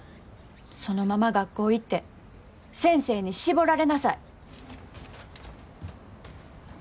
そのまま学校行って先生に絞られなさい。